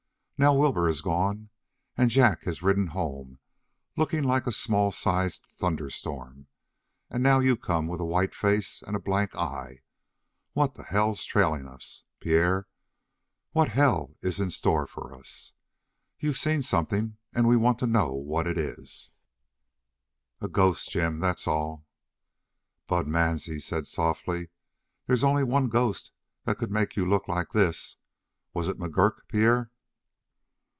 Now Wilbur has gone and Jack has ridden home looking like a small sized thunderstorm, and now you come with a white face and a blank eye. What hell is trailin' us, Pierre, what hell is in store for us. You've seen something, and we want to know what it is." "A ghost, Jim, that's all." Bud Mansie said softly: "There's only one ghost that could make you look like this. Was it McGurk, Pierre?"